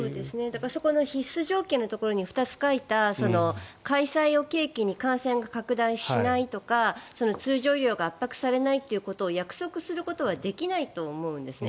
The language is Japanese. そこの必須条件のところに２つ書いた開催を契機に感染が拡大しないとか通常医療が圧迫されないということが約束されないとできないと思うんですね。